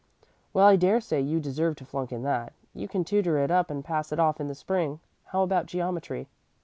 "Well, I dare say you deserved to flunk in that. You can tutor it up and pass it off in the spring. How about geometry?"